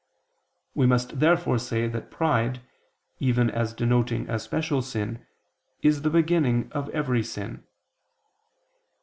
We must therefore say that pride, even as denoting a special sin, is the beginning of every sin.